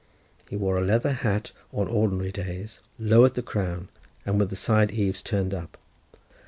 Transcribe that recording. He wore a leather hat on ordinary days, low at the crown, and with the side eaves turned up.